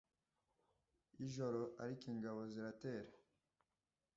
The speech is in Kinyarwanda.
ijoro! ariko ingabo ziratera.